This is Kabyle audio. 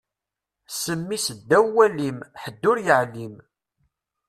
Ssem-is ddaw walim, ḥedd ur yeɛlim.